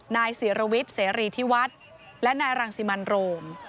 นายเสียระวิทย์เสรีทิวัฒน์และนายรังสิมันโรม